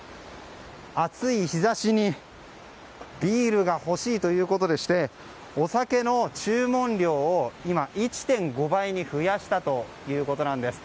暑い日差しにビールが欲しいということでしてお酒の注文量を１．５倍に増やしたということです。